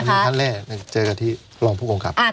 ครั้งแรกเจอกันที่รองผู้กำกับ